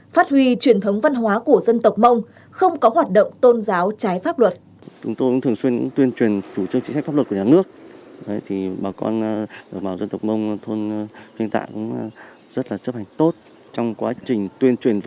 phát huy truyền thống văn hóa của dân tộc mông không có hoạt động tôn giáo trái pháp luật